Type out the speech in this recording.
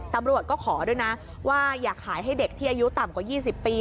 ตำรวจก็ขอด้วยนะว่าอยากขายให้เด็กที่อายุต่ำกว่า๒๐ปี